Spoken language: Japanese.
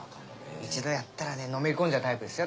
一度やったらねのめり込んじゃうタイプですよ